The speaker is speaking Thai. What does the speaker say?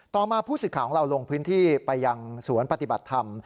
ต่อมาผู้สื่อข่าวของเราลงพื้นที่ไปยังสวนปฏิบัติธรรม